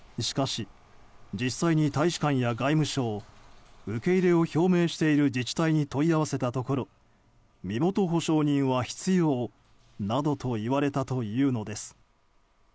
しかし、実際に大使館や外務省受け入れを表明している自治体に問い合わせたところ身元保証人は必要などと言われたというのです。